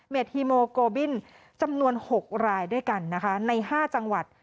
เม็ดฮีโมโกบิเนียร์จำนวน๖รายด้วยกันนะคะใน๕จังหวัด